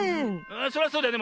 それはそうだよね。